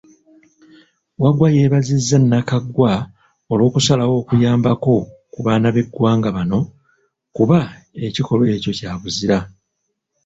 Waggwa yeebazizza Nakaggwa olw'okusalawo okuyambako ku baana b'eggwanga bano, kuba ekikolwa ekyo kya buzira.